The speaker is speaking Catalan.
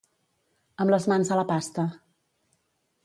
Amb les mans a la pasta.